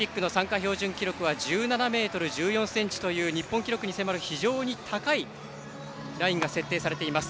標準記録は１７ｍ１４ｃｍという日本記録に迫る非常に高いラインが設定されています。